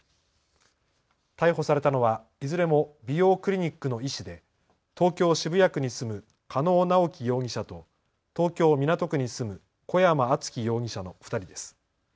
逮捕されたのはいずれも美容クリニックの医師で東京渋谷区に住む加納直樹容疑者と東京港区に住む小山忠宣容疑者の２人です。